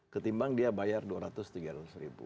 ketimbang dia bayar dua ratus tiga ratus ribu